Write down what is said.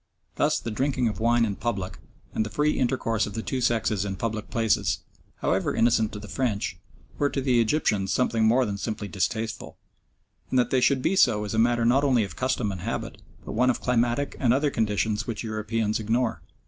Thus the drinking of wine in public, and the free intercourse of the two sexes in public places, however innocent to the French, were to the Egyptians something more than simply distasteful; and that they should be so is a matter not only of custom and habit, but one of climatic and other conditions which Europeans ignore.